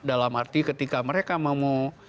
dalam arti ketika mereka mau